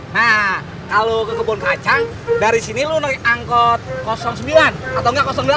nah kalau ke kebun kacang dari sini lu naik angkot sembilan atau nggak delapan